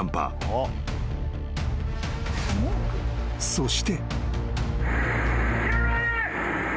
［そして］